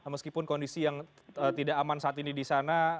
meskipun kondisi yang tidak aman saat ini di sana